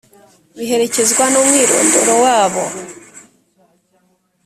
biherekezwa n umwirondoro wabo